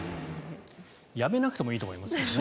辞めなくてもいいと思いますけどね。